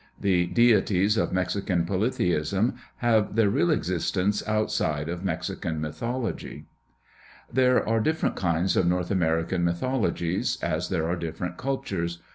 The deities of Mexican polytheism have their real existence outside of Mexican mythology. There are different kinds of North American mythologies, as there are different cultures.